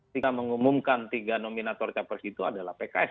jika mengumumkan tiga nominator capres itu adalah pks